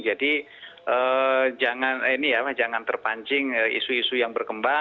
jadi jangan terpancing isu isu yang berbeda